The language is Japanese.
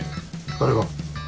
誰が？